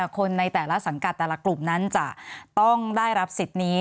คนในแต่ละสังกัดแต่ละกลุ่มนั้นจะต้องได้รับสิทธิ์นี้